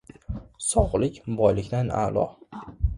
Sog‘lik — boylikdan a’lo.